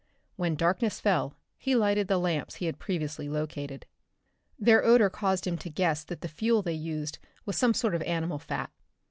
When darkness fell he lighted the lamps he had previously located. Their odor caused him to guess that the fuel they used was some sort of animal fat.